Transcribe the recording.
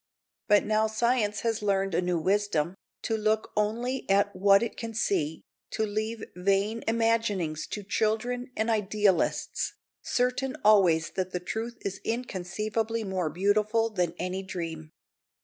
But now science has learned a new wisdom, to look only at what it can see, to leave vain imaginings to children and idealists, certain always that the truth is inconceivably more beautiful than any dream.